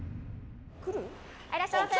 いらっしゃいませ。